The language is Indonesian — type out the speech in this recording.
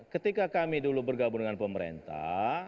ketika kami dulu bergabung dengan pemerintah